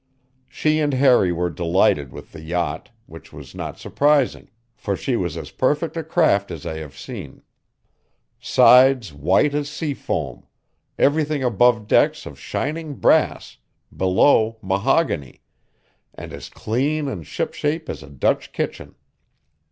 She and Harry were delighted with the yacht, which was not surprising, for she was as perfect a craft as I have seen. Sides white as sea foam; everything above decks of shining brass, below mahogany, and as clean and shipshape as a Dutch kitchen.